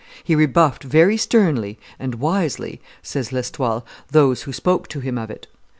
"He rebuffed very sternly (and wisely)," says L'Estoile, "those who spoke to him of it.